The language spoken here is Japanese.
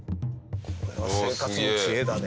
これは生活の知恵だね。